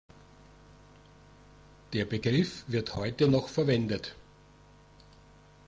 Der Begriff wird heute noch verwendet.